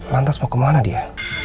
lantas mau kemana dia